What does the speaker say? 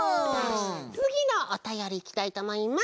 つぎのおたよりいきたいとおもいます。